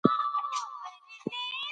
ځوانان د ځان د زیان لپاره میلاټونین کاروي.